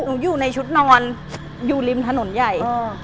อยู่ในชุดนอนอยู่ริมถนนใหญ่